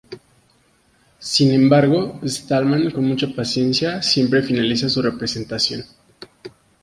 Sin embargo, Stallman, con mucha paciencia, siempre finaliza su representación.